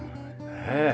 ねえ。